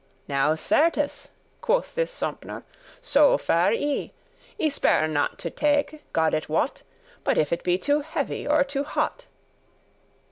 Now certes," quoth this Sompnour, "so fare* I; *do I spare not to take, God it wot, *But if* it be too heavy or too hot.